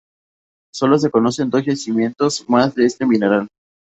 Solo se conocen dos yacimientos más de este mineral.